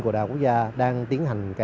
của đại học quốc gia đang tiến hành